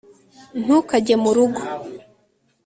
ntukajye murugo